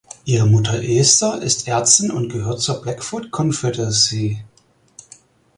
Ihre Mutter Esther ist Ärztin und gehört zur Blackfoot Confederacy.